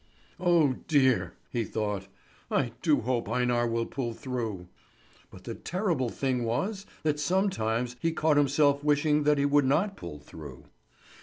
"Oh dear!" he thought. "I do hope Einar will pull through!" But the terrible thing was that sometimes he caught himself wishing that he would not pull through.